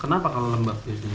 kenapa kalau lembab biasanya